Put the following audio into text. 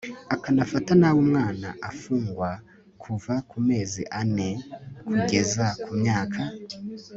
akanafata nabi umwana afungwa kuva ku mezi ane () kugeza ku imyaka (